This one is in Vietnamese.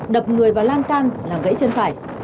đập người vào lan can làm gãy chân phải